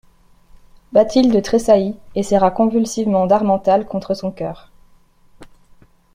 Bathilde tressaillit et serra convulsivement d'Harmental contre son coeur.